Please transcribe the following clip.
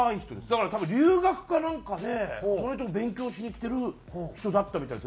だから多分留学かなんかでその人も勉強しに来てる人だったみたい。